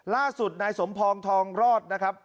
ล่าสุดนายสมพรทองรอดนะครับ